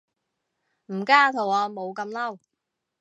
唔加圖案冇咁嬲